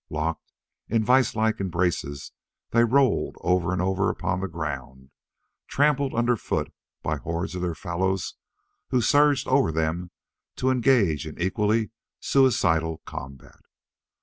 Locked in vise like embraces, they rolled over and over upon the ground, trampled underfoot by hordes of their fellows who surged over them to engage in equally suicidal combat.